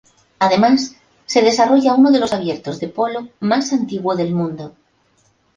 Además, se desarrolla uno de los abiertos de polo más antiguo del mundo.